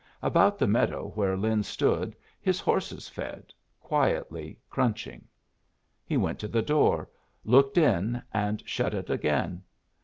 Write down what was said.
About the meadow where Lin stood his horses fed, quietly crunching. He went to the door, looked in, and shut it again.